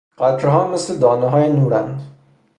قطره ها مثل دانه های نورند.